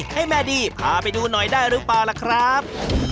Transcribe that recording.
ให้แม่ดีพาไปดูหน่อยได้หรือเปล่าล่ะครับ